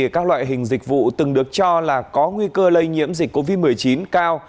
các loại hình dịch vụ từng được cho là có nguy cơ lây nhiễm dịch covid một mươi chín cao